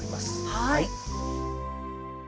はい。